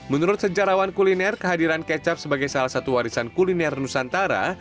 menurut sejarawan kuliner kehadiran kecap sebagai salah satu warisan kuliner nusantara